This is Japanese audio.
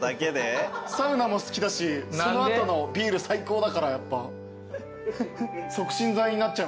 サウナも好きだしその後のビール最高だから促進剤になっちゃいました。